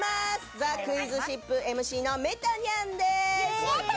ＴＨＥクイズシップＭＣのメタニャンです。